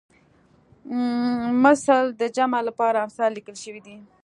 مثل د جمع لپاره امثال لیکل شوی دی